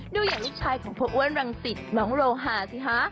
ดูอย่างลูกชายของพ่ออ้วนรังสิตน้องโรฮาสิคะ